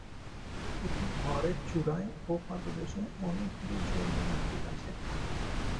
এই পাহাড়ের চূড়ায় ও পাদদেশে অনেকগুলি জৈন মন্দিরআছে।